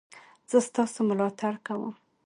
زه ستاسو ملاتړ کوم